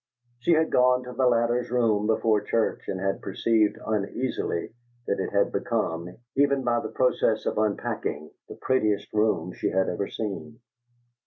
She had gone to the latter's room before church, and had perceived uneasily that it had become, even by the process of unpacking, the prettiest room she had ever seen.